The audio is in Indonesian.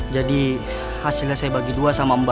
jadi hasilnya saya bagi dua sama mbak